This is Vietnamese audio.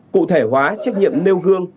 cụ thể hóa trách nhiệm nêu gương